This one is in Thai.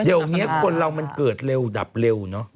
เดี๋ยวนี้คนเรามันเกิดเร็วดับเร็วเนอะ